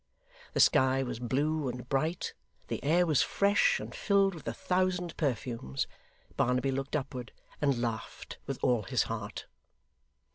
The sky was blue and bright. The air was fresh and filled with a thousand perfumes. Barnaby looked upward, and laughed with all his heart.